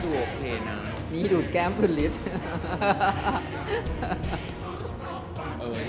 ดูโอเคนะนี่ดูดแก้มขึ้นฤทธิ์